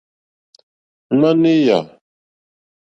Ŋwáné èyé.